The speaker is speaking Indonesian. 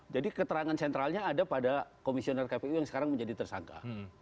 jadi keterangan sentralnya ada pada komisioner kpu yang sekarang menjadi tersangka